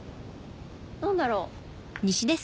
何だろう？